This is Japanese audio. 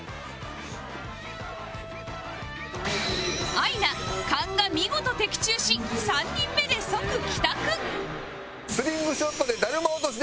アイナ勘が見事的中し３人目で即帰宅